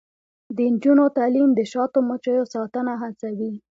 د نجونو تعلیم د شاتو مچیو ساتنه هڅوي.